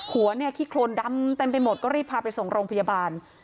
หัวเนี่ยขี้โครนดำเต็มไปหมดก็รีบพาไปส่งโรงพยาบาล